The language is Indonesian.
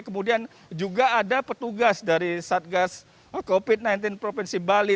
kemudian juga ada petugas dari satgas covid sembilan belas provinsi bali